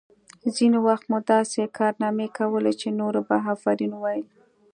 ځینې وخت مې داسې کارنامې کولې چې نورو به آفرین ویل